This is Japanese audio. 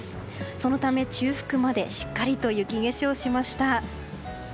そのため、中腹までしっかりと雪化粧しました。